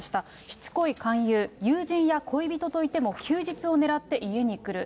しつこい勧誘、友人や恋人といても休日を狙って家に来る。